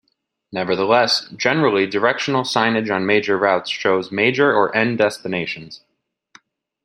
Nevertheless, generally directional signage on major routes shows major or end destinations.